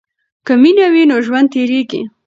که مینه وي نو ژوند تیریږي.